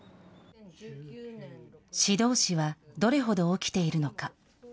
指導死はどれほど起きているのか。